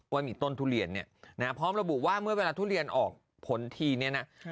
ว่ามีต้นทุเรียนเนี่ยนะฮะพร้อมระบุว่าเมื่อเวลาทุเรียนออกผลทีเนี่ยนะ